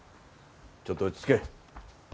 ちょっと落ち着け。